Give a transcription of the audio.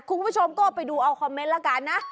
คุณผู้ชมก็ไปดูเอาคอมเมนต์แล้วกันนะ